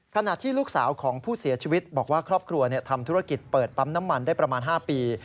ขณะที่ลูกสาวของผู้เสียชีวิตบอกว่าครอบครัวทำธุรกิจเปิดปั๊มน้ำมันได้ประมาณ๕ปี